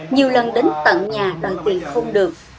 nhiều lần đến tận nhà đòi tiền không được